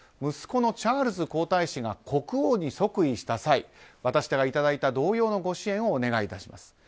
息子のチャールズ皇太子が国王に即位した際私がいただいた同様のご支援をお願い致します。